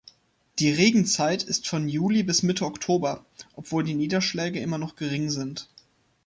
Die „Regenzeit“ ist von Juli bis Mitte Oktober, obwohl die Niederschläge immer noch gering sind.